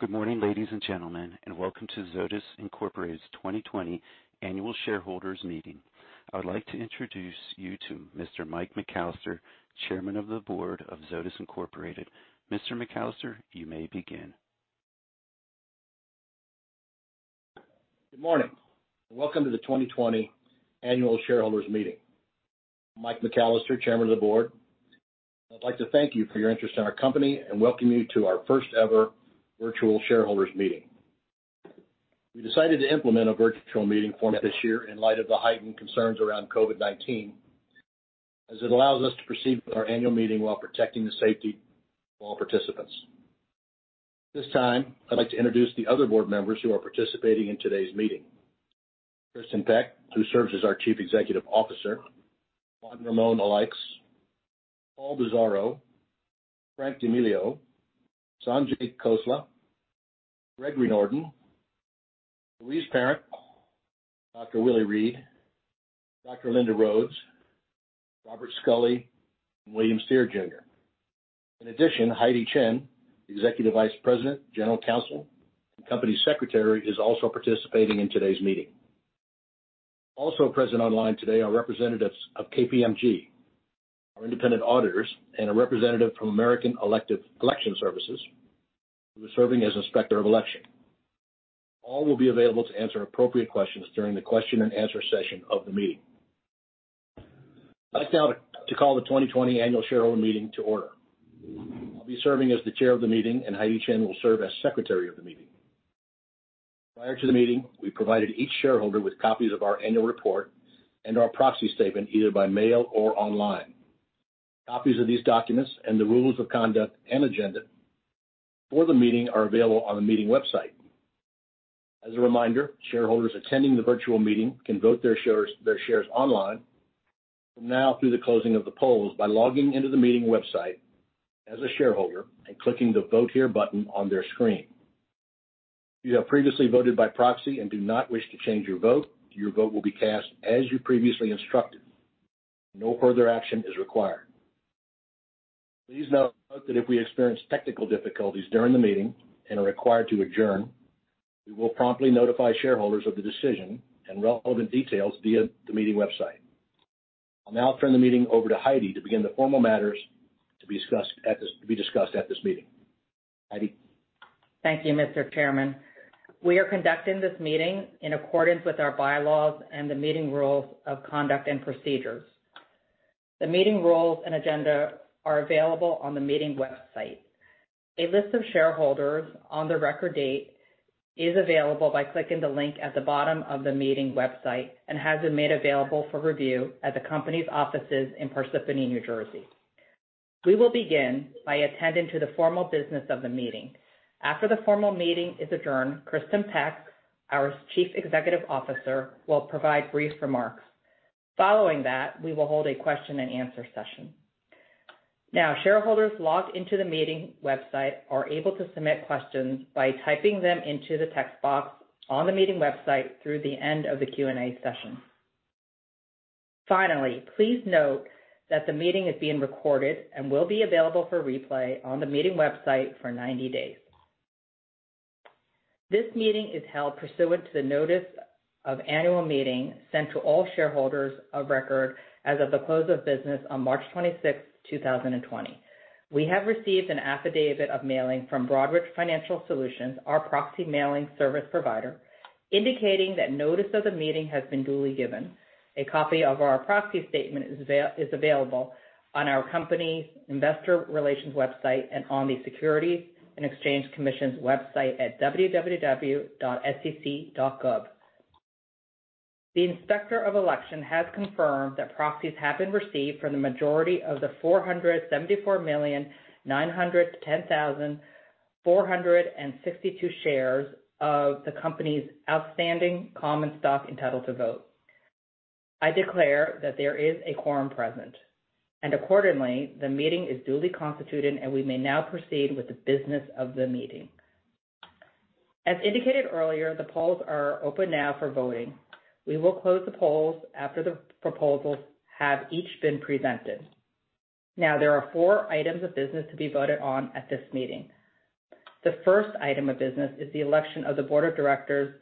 Good morning, ladies and gentlemen, and welcome to Zoetis Incorporated's 2020 annual shareholders meeting. I would like to introduce you to Mr. Mike McCallister, Chairman of the Board of Zoetis Incorporated. Mr. McCallister, you may begin. Good morning, welcome to the 2020 annual shareholders meeting. I'm Mike McCallister, Chairman of the Board. I'd like to thank you for your interest in our company and welcome you to our first ever virtual shareholders meeting. We decided to implement a virtual meeting format this year in light of the heightened concerns around COVID-19, as it allows us to proceed with our annual meeting while protecting the safety of all participants. At this time, I'd like to introduce the other board members who are participating in today's meeting. Kristin Peck, who serves as our Chief Executive Officer. Juan Ramón Alaix. Paul Bisaro. Frank D'Amelio. Sanjay Khosla. Gregory Norden. Louise Parent. Dr. Willie Reed. Dr. Linda Rhodes. Robert Scully. William Steere Jr. In addition, Heidi Chen, Executive Vice President, General Counsel, and Corporate Secretary, is also participating in today's meeting. Also present online today are representatives of KPMG, our independent auditors, and a representative from American Election Services, who is serving as Inspector of Election. All will be available to answer appropriate questions during the question and answer session of the meeting. I'd like now to call the 2020 annual shareholder meeting to order. I'll be serving as the Chair of the Meeting, and Heidi Chen will serve as Secretary of the Meeting. Prior to the meeting, we provided each shareholder with copies of our annual report and our proxy statement, either by mail or online. Copies of these documents and the rules of conduct and agenda for the meeting are available on the meeting website. As a reminder, shareholders attending the virtual meeting can vote their shares online from now through the closing of the polls by logging into the meeting website as a shareholder and clicking the Vote Here button on their screen. If you have previously voted by proxy and do not wish to change your vote, your vote will be cast as you previously instructed. No further action is required. Please note that if we experience technical difficulties during the meeting and are required to adjourn, we will promptly notify shareholders of the decision and relevant details via the meeting website. I'll now turn the meeting over to Heidi to begin the formal matters to be discussed at this meeting. Heidi? Thank you, Mr. Chairman. We are conducting this meeting in accordance with our bylaws and the meeting rules of conduct and procedures. The meeting rules and agenda are available on the meeting website. A list of shareholders on the record date is available by clicking the link at the bottom of the meeting website and has been made available for review at the company's offices in Parsippany, New Jersey. We will begin by attending to the formal business of the meeting. After the formal meeting is adjourned, Kristin Peck, our Chief Executive Officer, will provide brief remarks. We will hold a question and answer session. Shareholders logged into the meeting website are able to submit questions by typing them into the text box on the meeting website through the end of the Q&A session. Finally, please note that the meeting is being recorded and will be available for replay on the meeting website for 90 days. This meeting is held pursuant to the notice of annual meeting sent to all shareholders of record as of the close of business on March 26th, 2020. We have received an affidavit of mailing from Broadridge Financial Solutions, our proxy mailing service provider, indicating that notice of the meeting has been duly given. A copy of our proxy statement is available on our company investor relations website and on the Securities and Exchange Commission's website at www.sec.gov. The Inspector of Election has confirmed that proxies have been received from the majority of the 474,910,462 shares of the company's outstanding common stock entitled to vote. I declare that there is a quorum present, and accordingly, the meeting is duly constituted, and we may now proceed with the business of the meeting. As indicated earlier, the polls are open now for voting. We will close the polls after the proposals have each been presented. There are four items of business to be voted on at this meeting. The first item of business is the election of the board of directors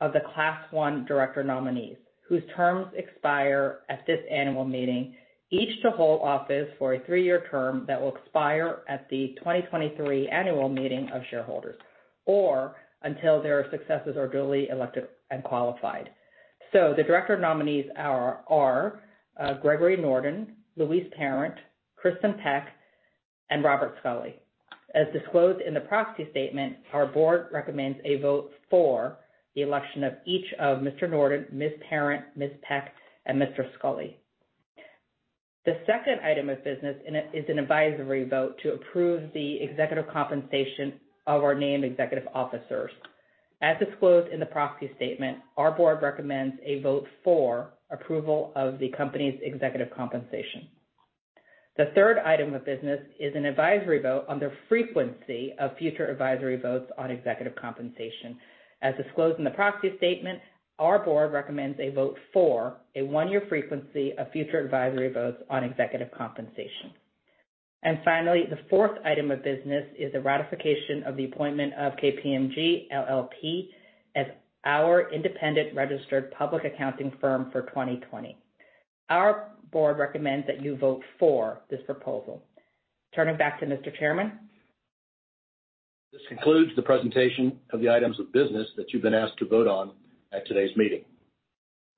of the Class I director nominees, whose terms expire at this annual meeting, each to hold office for a three-year term that will expire at the 2023 annual meeting of shareholders, or until their successors are duly elected and qualified. The director nominees are Gregory Norden, Louise Parent, Kristin Peck, and Robert Scully. As disclosed in the proxy statement, our board recommends a vote for the election of each of Mr. Norden, Ms. Parent, Ms. Peck, and Mr. Scully. The second item of business is an advisory vote to approve the executive compensation of our named executive officers. As disclosed in the proxy statement, our board recommends a vote for approval of the company's executive compensation. The third item of business is an advisory vote on the frequency of future advisory votes on executive compensation. As disclosed in the proxy statement, our board recommends a vote for a one-year frequency of future advisory votes on executive compensation. Finally, the fourth item of business is the ratification of the appointment of KPMG LLP as our independent registered public accounting firm for 2020. Our board recommends that you vote for this proposal. Turning back to Mr. Chairman. This concludes the presentation of the items of business that you've been asked to vote on at today's meeting.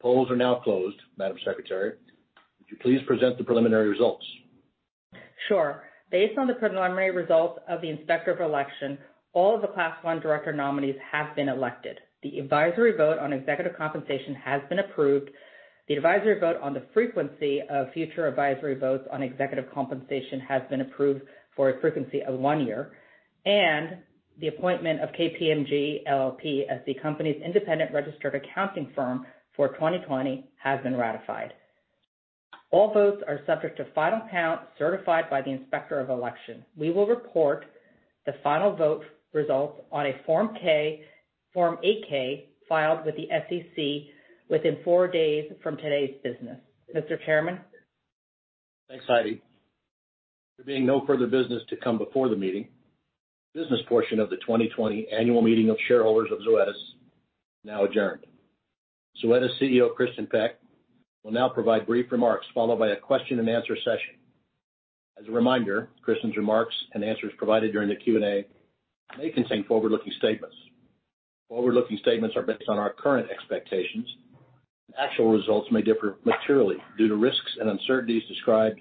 Polls are now closed, Madam Secretary. Would you please present the preliminary results? Sure. Based on the preliminary results of the Inspector of Election, all of the Class 1 director nominees have been elected. The advisory vote on executive compensation has been approved. The advisory vote on the frequency of future advisory votes on executive compensation has been approved for a frequency of 1 year, and the appointment of KPMG LLP as the company's independent registered accounting firm for 2020 has been ratified. All votes are subject to final count, certified by the Inspector of Election. We will report the final vote results on a Form 8-K filed with the SEC within four days from today's business. Mr. Chairman? Thanks, Heidi. There being no further business to come before the meeting, the business portion of the 2020 annual meeting of shareholders of Zoetis is now adjourned. Zoetis CEO Kristin Peck will now provide brief remarks, followed by a question and answer session. As a reminder, Kristin's remarks and answers provided during the Q&A may contain forward-looking statements. Forward-looking statements are based on our current expectations. Actual results may differ materially due to risks and uncertainties described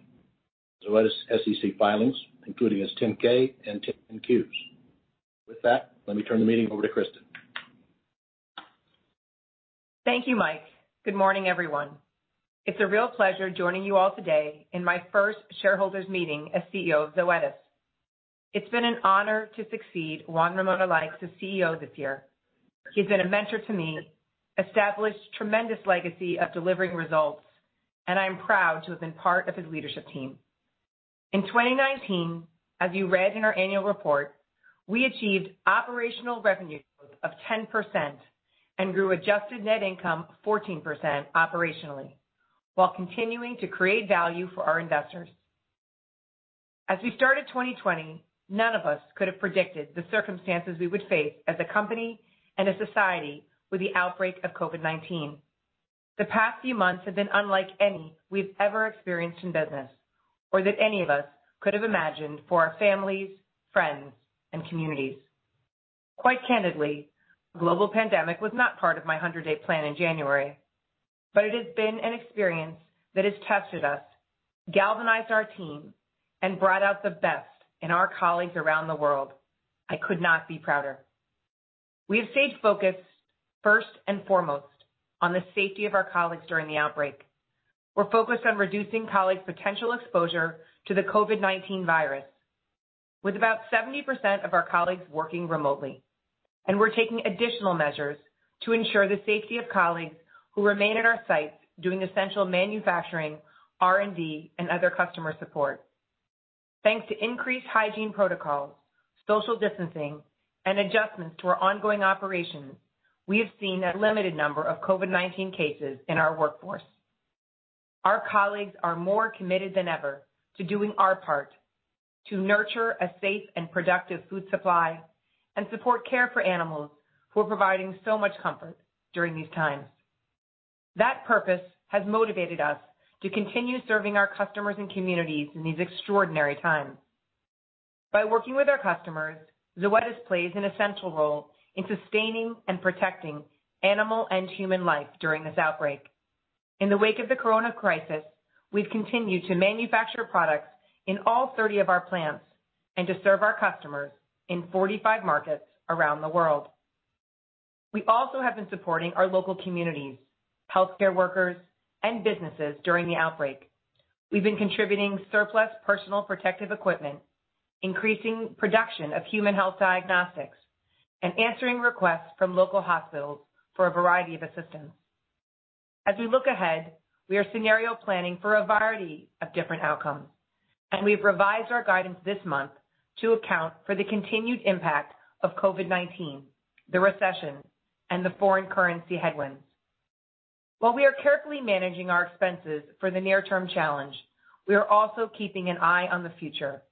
in Zoetis' SEC filings, including its 10-K and 10-Qs. With that, let me turn the meeting over to Kristin. Thank you, Mike. Good morning, everyone. It's a real pleasure joining you all today in my first shareholders' meeting as CEO of Zoetis. It's been an honor to succeed Juan Ramón Alaix as CEO this year. He's been a mentor to me, established a tremendous legacy of delivering results, and I'm proud to have been part of his leadership team. In 2019, as you read in our annual report, we achieved operational revenue growth of 10% and grew adjusted net income 14% operationally while continuing to create value for our investors. We started 2020, none of us could have predicted the circumstances we would face as a company and a society with the outbreak of COVID-19. The past few months have been unlike any we've ever experienced in business or that any of us could have imagined for our families, friends, and communities. Quite candidly, a global pandemic was not part of my 100-day plan in January, but it has been an experience that has tested us, galvanized our team, and brought out the best in our colleagues around the world. I could not be prouder. We have stayed focused first and foremost on the safety of our colleagues during the outbreak. We're focused on reducing colleagues' potential exposure to the COVID-19 virus. With about 70% of our colleagues working remotely, and we're taking additional measures to ensure the safety of colleagues who remain at our sites doing essential manufacturing, R&D, and other customer support. Thanks to increased hygiene protocols, social distancing, and adjustments to our ongoing operations, we have seen a limited number of COVID-19 cases in our workforce. Our colleagues are more committed than ever to doing our part to nurture a safe and productive food supply and support care for animals who are providing so much comfort during these times. That purpose has motivated us to continue serving our customers and communities in these extraordinary times. By working with our customers, Zoetis plays an essential role in sustaining and protecting animal and human life during this outbreak. In the wake of the corona crisis, we've continued to manufacture products in all 30 of our plants and to serve our customers in 45 markets around the world. We also have been supporting our local communities, healthcare workers, and businesses during the outbreak. We've been contributing surplus personal protective equipment, increasing production of human health diagnostics, and answering requests from local hospitals for a variety of assistance. As we look ahead, we are scenario planning for a variety of different outcomes, and we've revised our guidance this month to account for the continued impact of COVID-19, the recession, and the foreign currency headwinds. While we are carefully managing our expenses for the near-term challenge, we are also keeping an eye on the future.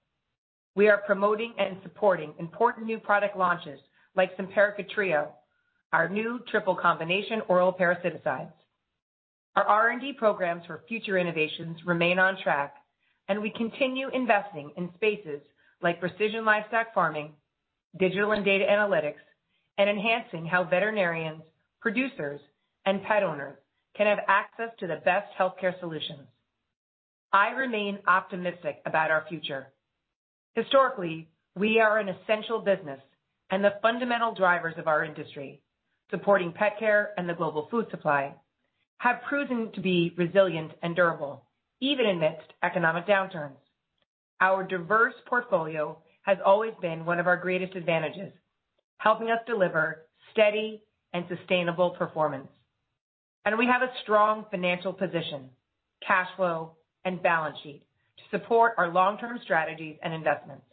We are promoting and supporting important new product launches like Simparica Trio, our new triple combination oral parasiticides. Our R&D programs for future innovations remain on track, and we continue investing in spaces like precision livestock farming, digital and data analytics, and enhancing how veterinarians, producers, and pet owners can have access to the best healthcare solutions. I remain optimistic about our future. Historically, we are an essential business, and the fundamental drivers of our industry, supporting pet care and the global food supply, have proven to be resilient and durable, even amidst economic downturns. Our diverse portfolio has always been one of our greatest advantages, helping us deliver steady and sustainable performance. We have a strong financial position, cash flow, and balance sheet to support our long-term strategies and investments.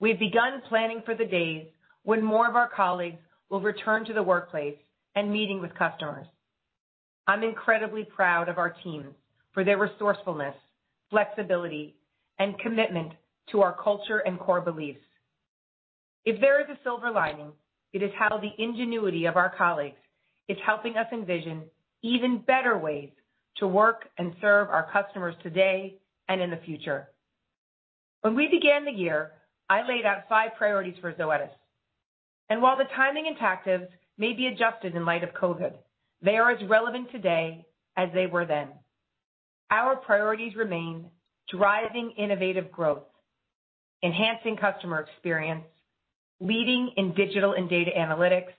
We've begun planning for the days when more of our colleagues will return to the workplace and meeting with customers. I'm incredibly proud of our team for their resourcefulness, flexibility, and commitment to our culture and core beliefs. If there is a silver lining, it is how the ingenuity of our colleagues is helping us envision even better ways to work and serve our customers today and in the future. When we began the year, I laid out five priorities for Zoetis, and while the timing and tactics may be adjusted in light of COVID, they are as relevant today as they were then. Our priorities remain: driving innovative growth, enhancing customer experience, leading in digital and data analytics,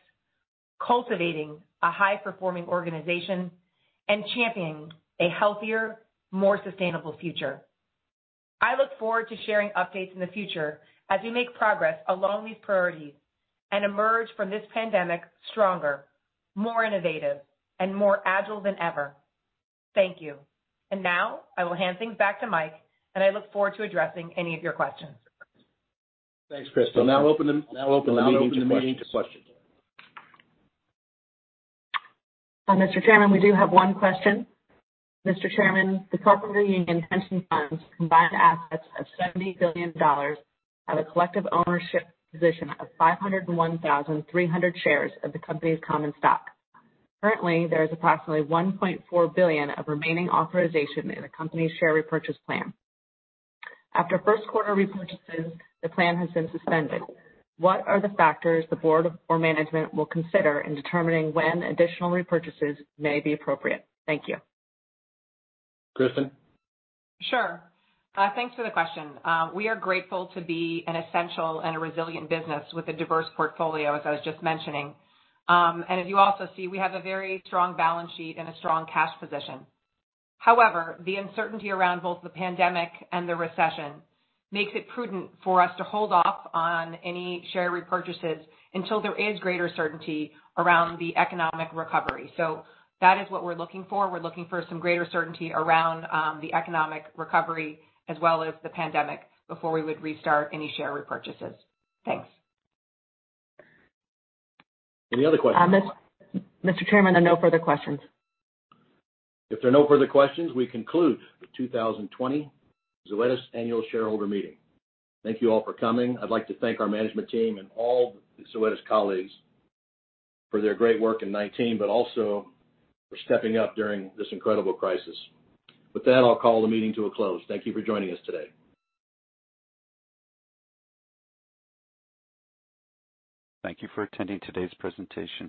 cultivating a high-performing organization, and championing a healthier, more sustainable future. I look forward to sharing updates in the future as we make progress along these priorities and emerge from this pandemic stronger, more innovative, and more agile than ever. Thank you. Now, I will hand things back to Mike, and I look forward to addressing any of your questions. Thanks, Kristin. Now open the meeting to questions. Mr. Chairman, we do have one question. Mr. Chairman, the Carpenter Pension Funds combined assets of $70 billion have a collective ownership position of 501,300 shares of the company's common stock. Currently, there is approximately $1.4 billion of remaining authorization in the company's share repurchase plan. After first quarter repurchases, the plan has been suspended. What are the factors the board or management will consider in determining when additional repurchases may be appropriate? Thank you. Kristin? Sure. Thanks for the question. We are grateful to be an essential and a resilient business with a diverse portfolio, as I was just mentioning. As you also see, we have a very strong balance sheet and a strong cash position. However, the uncertainty around both the pandemic and the recession makes it prudent for us to hold off on any share repurchases until there is greater certainty around the economic recovery. That is what we're looking for. We're looking for some greater certainty around the economic recovery as well as the pandemic before we would restart any share repurchases. Thanks. Any other questions? Mr. Chairman, there are no further questions. If there are no further questions, we conclude the 2020 Zoetis Annual Shareholder Meeting. Thank you all for coming. I'd like to thank our management team and all the Zoetis colleagues for their great work in 2019, but also for stepping up during this incredible crisis. With that, I'll call the meeting to a close. Thank you for joining us today. Thank you for attending today's presentation.